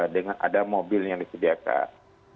dengan ada mobil yang disediakan